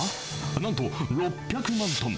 なんと６００万トン。